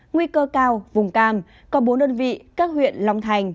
nguy cơ cao vùng cam có bốn đơn vị các huyện long thành